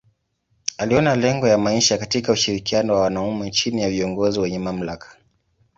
Aliona lengo ya maisha katika ushirikiano wa wanaume chini ya viongozi wenye mamlaka.